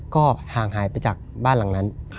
ก็ห่างหายไปจากบ้านหลังนั้น